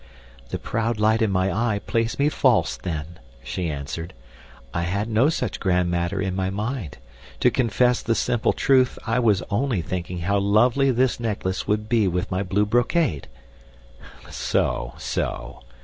"The proud light in my eye plays me false, then," she answered. "I had no such grand matter in my mind. To confess the simple truth, I was only thinking how lovely this necklace would be with my blue brocade." "So, so!"